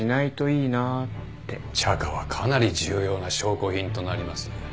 チャカはかなり重要な証拠品となります。